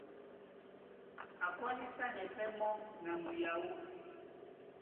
A kwálisanɛ pɛ́ mɔ́ na muyaó.